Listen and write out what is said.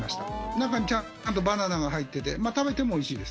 中にちゃんとバナナが入ってて、食べてもおいしいです。